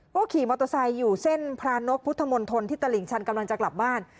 ก็ขี่มอเตอร์ไซค์อยู่เส้นพระนกพุทธมนตรที่ตลิ่งชันกำลังจะกลับบ้าน